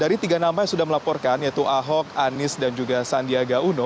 dari tiga nama yang sudah melaporkan yaitu ahok anies dan juga sandiaga uno